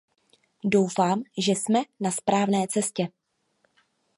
Doufám, že jsme na správné cestě.